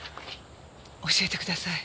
教えてください。